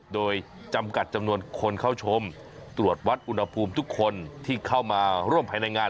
โดยจำกัดจำนวนคนเข้าชมตรวจวัดอุณหภูมิทุกคนที่เข้ามาร่วมภายในงาน